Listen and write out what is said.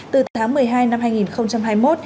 từ tháng một mươi hai năm hai nghìn hai mươi một